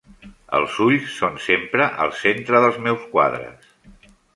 Els ulls són sempre el centre dels meus quadres.